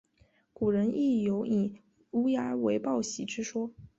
古人亦有以乌鸦为报喜之说。